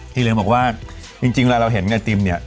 ที่เรียบบอกว่าจริงเวลาเราเห็นอาติมเนี่ย